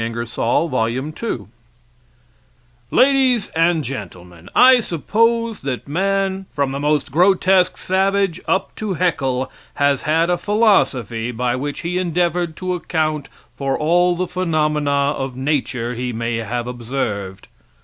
Ingersoll's Lecture on Human Rights Ladies and Gentlemen: I suppose that man, from the most grotesque savage up to Heckle, has had a philosophy by which he endeavored to account for all the phenomena of nature he may have observed.